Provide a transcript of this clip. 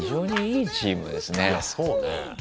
いやそうね。